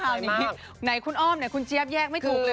แล้วก็คราวนี้ในคุณอ้อมเนี่ยคุณเจี๊ยบแยกไม่ถูกเลย